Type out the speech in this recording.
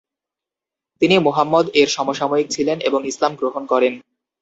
তিনি মুহাম্মদ এর সমসাময়িক ছিলেন এবং ইসলাম গ্রহণ করেন।